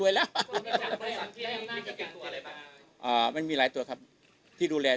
เป็นรวยแล้วไม่น่าจะเก็บตัวอะไรบ้างอ่ามันมีหลายตัวครับที่ดูแล